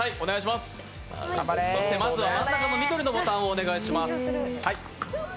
まずは真ん中の緑のボタンをお願いします。